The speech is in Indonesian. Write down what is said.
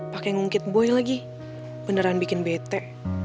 pakai ngungkit boy lagi beneran bikin bete